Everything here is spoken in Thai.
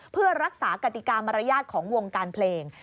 เพื่อรักษากติกามารยาทของวงการเพลง